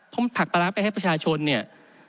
เพราะมันผักปลาร้าไปให้ประชาชนเนี่ย